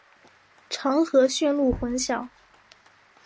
常和驯鹿混淆。